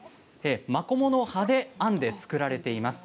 マコモの葉で編んで作られています。